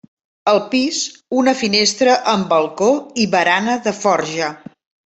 Al pis, una finestra amb balcó i barana de forja.